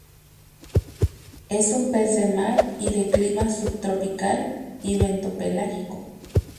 Es un pez de mar y de clima subtropical y bentopelágico.